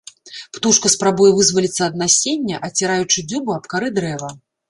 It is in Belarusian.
Птушка спрабуе вызваліцца ад насення, аціраючы дзюбу аб кары дрэва.